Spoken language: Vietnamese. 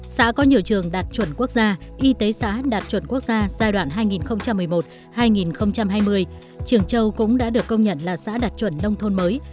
xã có nhiều trường đạt chuẩn quốc gia y tế xã đạt chuẩn quốc gia giai đoạn hai nghìn một mươi một hai nghìn hai mươi trường châu cũng đã được công nhận là xã đạt chuẩn nông thôn mới